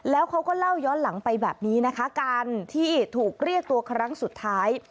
แล้วเขาก็เล่าย้อนหลังไปแบบนี้นะคะการที่ถูกเรียกตัวครั้งสุดท้าย